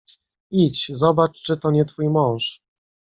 "Idź, zobacz, czy to nie twój mąż."